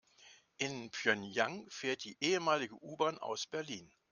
In Pjöngjang fährt die ehemalige U-Bahn aus Berlin.